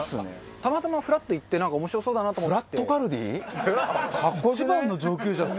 たまたまフラっと行ってなんか面白そうだなと思って。